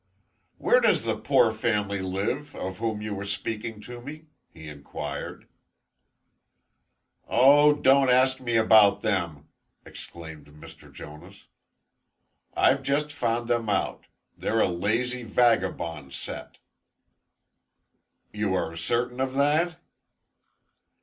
"Where does the poor family live, of whom you were speaking to me?" he inquired. "O, don't ask me about them!" exclaimed Mr. Jonas. "I've just found them out. They're a lazy, vagabond set." "You are certain of that?"